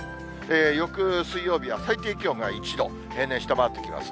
よく水曜日は最低気温が１度、平年を下回ってきますね。